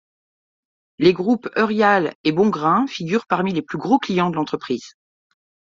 Les groupes Eurial et Bongrain figurent parmi les plus gros clients de l’entreprise.